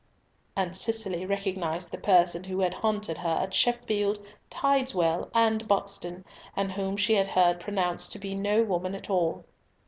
And Cicely recognised the person who had haunted her at Sheffield, Tideswell, and Buxton, and whom she had heard pronounced to be no woman at all.